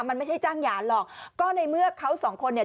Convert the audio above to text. มันไม่ใช่จ้างหย่าหรอกก็ในเมื่อเขาสองคนเนี่ย